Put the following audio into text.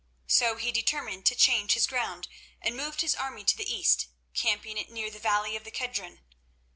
So he determined to change his ground, and moved his army to the east, camping it near the valley of the Kedron.